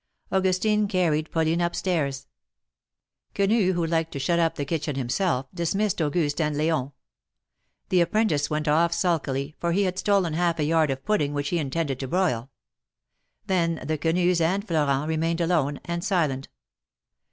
Augustine carried Pauline up stairs. Quenu, who liked to shut up the kitchen himself, dismissed Auguste and L4on. The apprentice went off sulkily, for he had stolen half a yard of pudding which he intended to broil. Then the Quenus and Florent remained alone and silent.